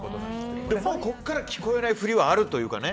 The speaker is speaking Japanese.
ここから聞こえないふりはあるというか。